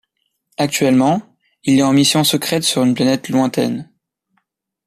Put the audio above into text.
Actuellement, il est en mission secrète sur une planète lointaine.